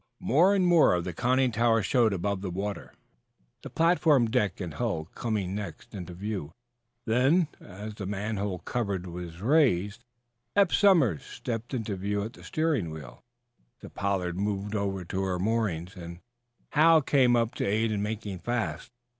More and mote of the conning tower showed above the water, the platform deck and hull coming next into view. Then, as the manhole cover was raised, Eph Somers stepped into view at the steering wheel. The "Pollard" moved over to her moorings, and Hal came up to aid in making fast.